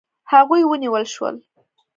هغوی ونیول شول.